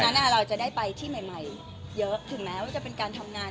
นั้นเราจะได้ไปที่ใหม่เยอะถึงแม้ว่าจะเป็นการทำงาน